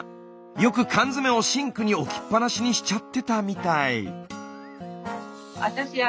よく缶詰をシンクに置きっぱなしにしちゃってたみたい。